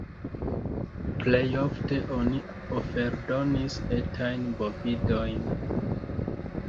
Plejofte oni oferdonis etajn bovidojn.